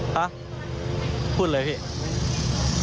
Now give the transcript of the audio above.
ฮะพูดเลยพี่